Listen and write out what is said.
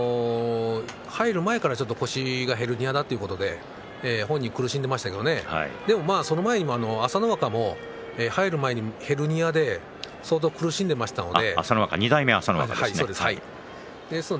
入る前から腰がヘルニアだということで本人、苦しんでいますけどねでもその前に朝乃若も入る前にヘルニアで相当苦しんでいますので。